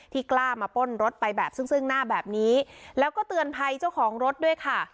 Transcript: กล้ามาป้นรถไปแบบซึ่งซึ่งหน้าแบบนี้แล้วก็เตือนภัยเจ้าของรถด้วยค่ะ